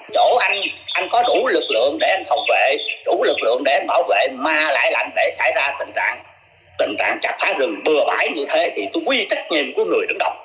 chỗ anh anh có đủ lực lượng để anh phòng vệ đủ lực lượng để anh bảo vệ ma lãi lạnh để xảy ra tình trạng chặt phá rừng bừa bãi như thế thì tôi quy trách nhiệm của người đứng đọc